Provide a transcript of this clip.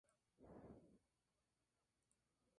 Su padre, Nils Allen Stewart, un doble profesional.